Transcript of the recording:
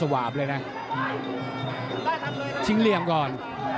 ถไม่ถนัดเลยนะชิงเหลี่ยงก่อน